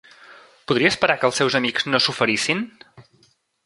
Podria esperar que els seus amics no s'oferissin?